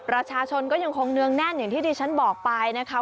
ประชาชนก็ยังคงเนืองแน่นอย่างที่ดิฉันบอกไปนะคะ